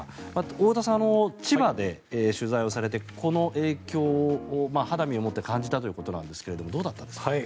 太田さん、千葉で取材をされてこの影響を肌身をもって感じたということなんですがどうだったですか？